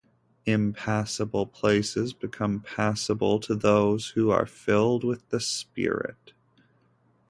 Impassable places become passable to those who are filled with the spirit.